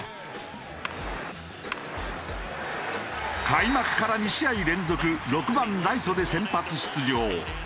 開幕から２試合連続６番ライトで先発出場。